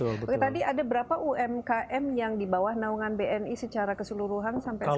oke tadi ada berapa umkm yang di bawah naungan bni secara keseluruhan sampai sekarang